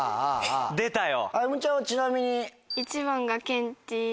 出たよ。